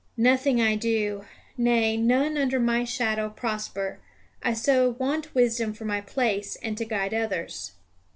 Nothing I do, nay, none under my shadow prosper. I so want wisdom for my place, and to guide others."